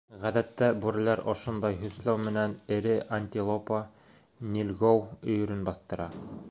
Ғәҙәттә, бүреләр ошондай һөсләү менән эре антилопа — нильгоу — өйөрөн баҫтыра.